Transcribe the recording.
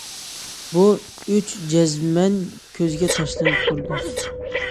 بۇ« ئۈچ جەزمەن» كۆزگە تاشلىنىپ تۇرىدۇ.